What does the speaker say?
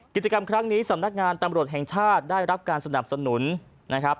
กิจกรรมครั้งนี้สำนักงานตำรวจแห่งชาติได้รับการสนับสนุนนะครับ